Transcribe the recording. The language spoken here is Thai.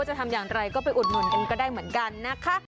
สวัสดีครับ